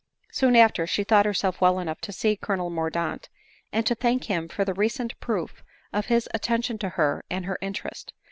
Soon after, she thought herself well enough to see Colo nel Mordaunt, and to thank him for the recent proof of his attention to her and her interest.